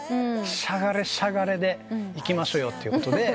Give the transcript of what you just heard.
しゃがれしゃがれでいきましょうよってことで。